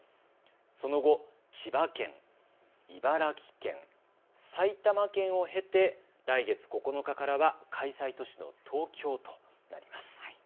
その後、千葉県、茨城県、埼玉県を経て来月９日からは開催都市の東京となります。